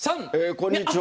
こんにちは。